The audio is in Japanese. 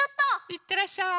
いってらっしゃい。